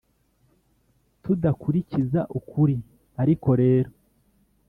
tudakurikiza ukuri: ariko rero,